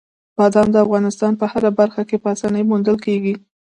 بادام د افغانستان په هره برخه کې په اسانۍ موندل کېږي.